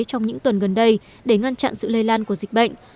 trong những tuần gần đây để ngăn chặn sự lây lan của dịch bệnh